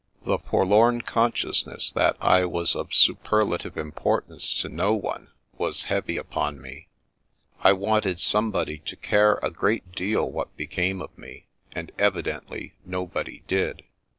The forlorn consciousness that I was of superla tive importance to no one was heavy upon me. I wanted somebody to care a great deal what became of me, and evidently nobody did.